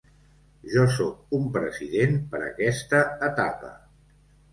Jo sóc un president per aquesta etapa.